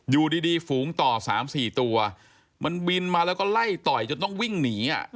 อยู่ดีฝูงต่อ๓๔ตัวมันบินมาแล้วก็ไล่ต่อยจนต้องวิ่งหนี